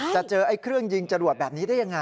จะเจอไอ้เครื่องยิงจรวดแบบนี้ได้ยังไง